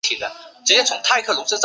该公司有多位葡萄酒大师。